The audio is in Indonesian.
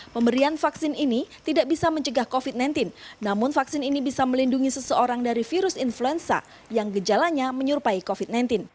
pemberian vaksin ini tidak bisa mencegah covid sembilan belas namun vaksin ini bisa melindungi seseorang dari virus influenza yang gejalanya menyerupai covid sembilan belas